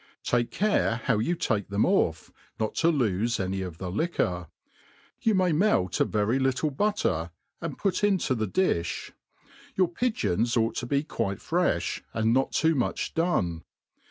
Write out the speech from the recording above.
Take; care how you ta|x them off, not to Ipfe any of the liquor. You may melt a very little butter, and put into the dilh. Your pigpons ought to be quite frefh, and npt too much done.